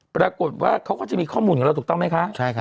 ปรากฏว่าเขาก็จะมีข้อมูลกับเราถูกต้องไหมคะ